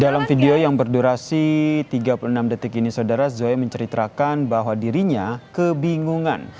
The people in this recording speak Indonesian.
dalam video yang berdurasi tiga puluh enam detik ini saudara zoe menceritakan bahwa dirinya kebingungan